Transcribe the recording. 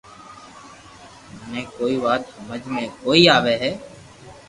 مني ڪوئي وات ھمج ۾ ڪوئي َآوي